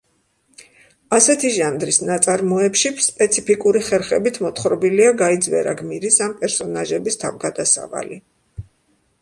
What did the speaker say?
ასეთი ჟანრის ნაწარმოებში სპეციფიკური ხერხებით მოთხრობილია გაიძვერა გმირის ან პერსონაჟების თავგადასავალი.